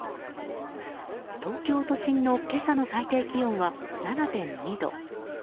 東京都心の今朝の最低気温は７．２度。